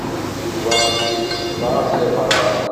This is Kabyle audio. Yuba ad yeslaẓ iḍan.